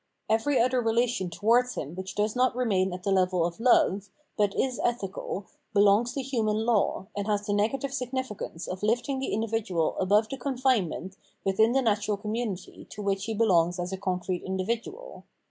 Every other relation towards him which does not remain at the level of love, but is ethical, belongs to human law, and has the nega tive significance of hfting the individual above the con finement within the natural community to which he belongs as a concrete individual.